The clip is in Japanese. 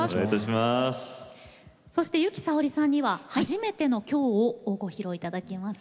そして由紀さおりさんには「初めての今日を」を歌っていただきます。